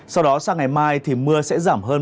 sau đó sang ngày mai thì mưa sẽ giảm hơn